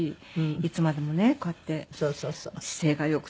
いつまでもねこうやって姿勢が良くて。